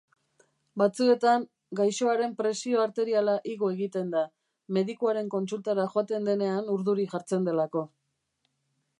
Batzuetan gaixoaren presio arteriala igo egiten da medikuaren kontsultara joaten denean urduri jartzen delako.